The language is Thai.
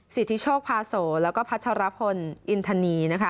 สิทธิโชคพาโสแล้วก็พัชรพลอินทนีนะคะ